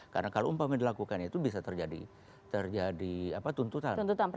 karena kalau umpamanya dilakukan itu bisa terjadi tuntutan